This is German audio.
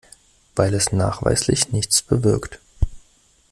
Weil es nachweislich nichts bewirkt.